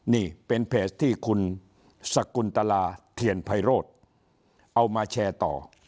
นี่เป็นเพจที่คุณสกุลตลาเทียนไพโรธเอามาแชร์ต่อ